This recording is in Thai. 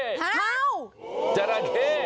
ครับจราเค